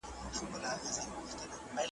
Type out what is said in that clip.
کوم شرایط د پرمختیا لپاره اړین دي؟